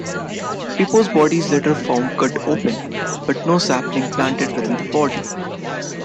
Pipo's body is later found cut open, but no sapling planted within the body.